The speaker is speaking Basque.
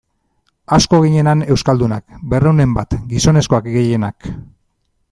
Asko ginen han euskaldunak, berrehunen bat, gizonezkoak gehienak.